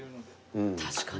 確かに。